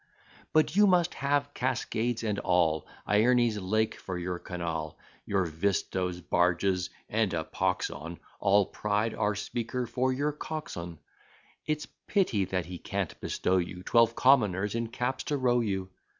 But you must have cascades, and all Iërne's lake, for your canal, Your vistoes, barges, and (a pox on All pride!) our speaker for your coxon: It's pity that he can't bestow you Twelve commoners in caps to row you.